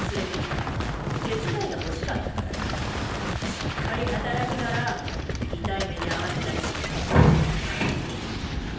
しっかり働くなら痛い目に遭わせたりしない。